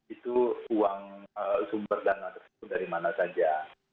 itu uang sumber dana tersebut dari mana saja